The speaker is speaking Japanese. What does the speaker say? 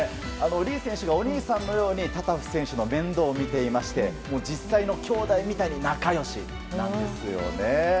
リー選手がお兄さんのようにタタフ選手の面倒を見ていまして実際の兄弟みたいに仲良しなんですよね。